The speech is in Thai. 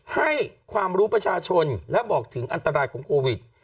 ให้ความรู้ประชาชนและบอกถึงอันตรายของโควิด